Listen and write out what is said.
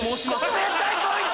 絶対こいつ！